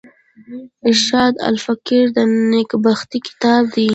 ارشاد الفقراء نېکبختي کتاب دﺉ.